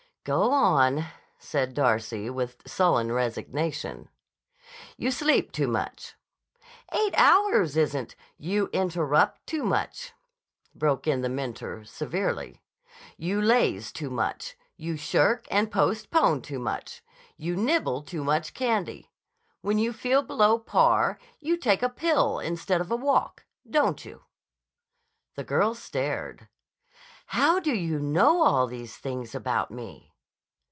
"Go on," said Darcy with sullen resignation. "You sleep too much." "Eight hours isn't—" "You interrupt too much," broke in the mentor severely. "You laze too much. You shirk and postpone too much. You nibble too much candy. When you feel below par you take a pill instead of a walk. Don't you?" The girl stared. "How do you know all these things about me?"